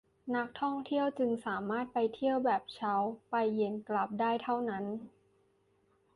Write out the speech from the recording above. นักท่องเที่ยวจึงสามารถไปเที่ยวแบบเช้าไปเย็นกลับได้เท่านั้น